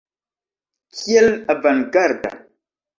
Kiel avangarda!